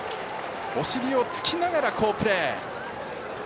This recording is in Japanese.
お尻をつきながら好プレー。